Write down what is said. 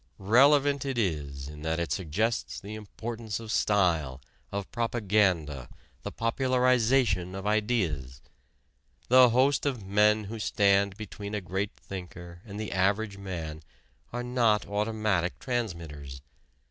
Relevant it is in that it suggests the importance of style, of propaganda, the popularization of ideas. The host of men who stand between a great thinker and the average man are not automatic transmitters.